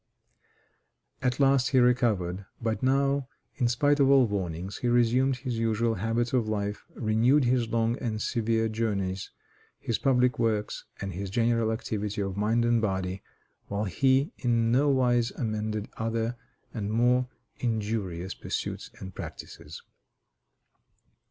At last he recovered; but now, in spite of all warnings, he resumed his usual habits of life, renewed his long and severe journeys, his public works, and his general activity of mind and body, while he in nowise amended other and more injurious pursuits and practices.